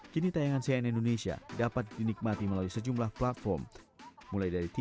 jika anda sama seperti semua orang lain